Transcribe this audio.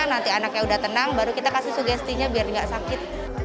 nanti anaknya udah tenang baru kita kasih sugestinya biar nggak sakit